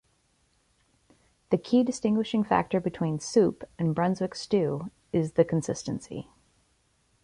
The key distinguishing factor between soup and Brunswick stew is the consistency.